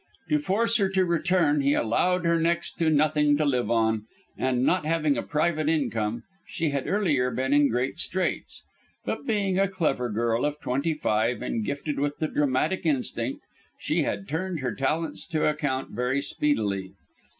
To force her to return he allowed her next to nothing to live on, and, not having a private income, she had earlier been in great straits. But being a clever girl of twenty five, and gifted with the dramatic instinct, she had turned her talents to account very speedily.